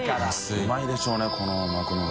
うまいでしょうねこの幕の内。